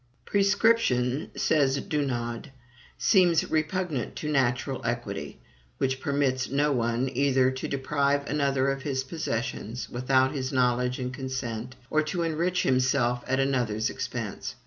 "Prescription," says Dunod, "seems repugnant to natural equity, which permits no one either to deprive another of his possessions without his knowledge and consent, or to enrich himself at another's expense.